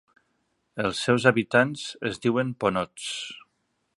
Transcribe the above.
Els seus habitants es diuen "Ponots".